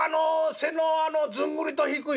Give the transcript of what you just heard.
「背のずんぐりと低い？」。